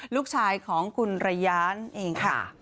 ลูกชายของคุณระยานเองค่ะ